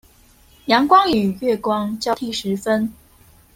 陽光與月光交替時分